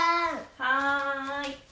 はい。